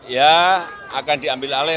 yang akan diambil oleh oleh